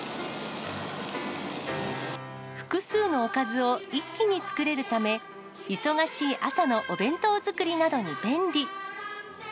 複数のおかずを一気に作れるため、忙しい朝のお弁当作りなどに便利。